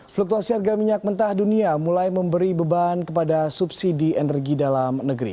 fluktuasi harga minyak mentah dunia mulai memberi beban kepada subsidi energi dalam negeri